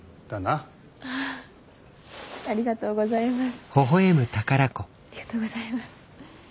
ありがとうございます。